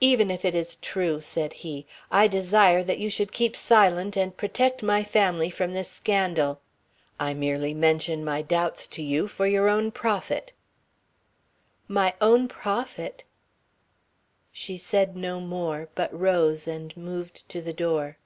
"Even if it is true," said he, "I desire that you should keep silent and protect my family from this scandal. I merely mention my doubts to you for your own profit." "My own profit!" She said no more, but rose and moved to the door.